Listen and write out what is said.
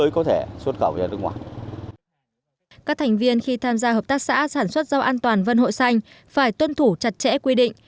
các thành viên khi tham gia hợp tác xã sản xuất rau an toàn vân hội xanh phải tuân thủ chặt chẽ quy định